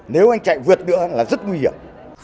nếu anh chạy vượt nữa là rất nguy hiểm